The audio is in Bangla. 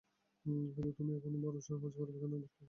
কিন্তু তুমি আমাদের বরফধ্বসের মাঝ-বরাবর কেন এটা বানালে?